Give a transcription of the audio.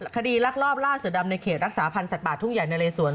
คดีลักลอบล่าเสือดำในเขตรักษาพันธ์สัตว์ป่าทุ่งใหญ่นะเลสวน